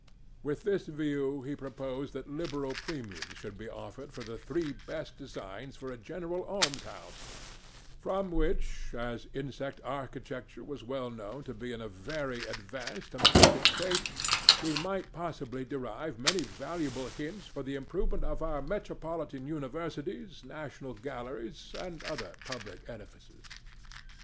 With this view, he proposed that liberal premiums should be offered for the three best designs for a general almshouse; from which—as insect architecture was well known to be in a very advanced and perfect state—we might possibly derive many valuable hints for the improvement of our metropolitan universities, national galleries, and other public edifices.